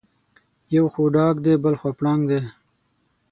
یو خوا ډاګ دی بلخوا پړانګ دی.